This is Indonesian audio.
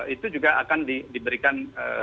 itu juga akan diberikan